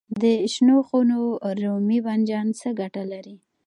د شنو خونو رومي بانجان څه ګټه لري؟